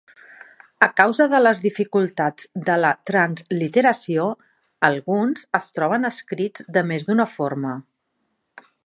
A causa de les dificultats de la transliteració, alguns es troben escrits de més d'una forma.